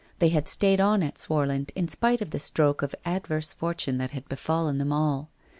They had stayed on at Swarland in spite of the stroke of adverse fortune that had befallen them all.